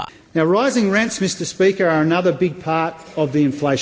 pembelian yang menaiki adalah bagian besar dari cabaran inflasi